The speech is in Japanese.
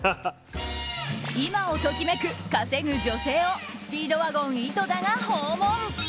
今を時めく稼ぐ女性をスピードワゴン井戸田が訪問。